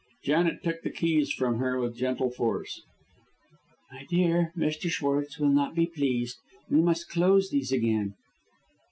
Janet took the keys from her with gentle force. "My dear, Mr. Schwartz will not be pleased. We must close these again."